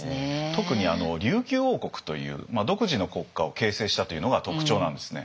特に琉球王国という独自の国家を形成したというのが特徴なんですね。